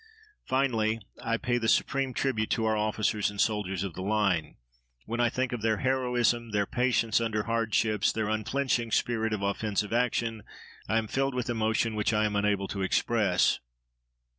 Finally, I pay the supreme tribute to our officers and soldiers of the line. When I think of their heroism, their patience under hardships, their unflinching spirit of offensive action, I am filled with emotion which I am unable to express.